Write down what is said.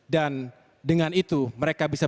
dan dengan itu mereka bisa